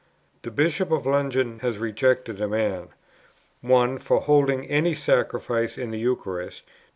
"The Bishop of London has rejected a man, 1. For holding any Sacrifice in the Eucharist.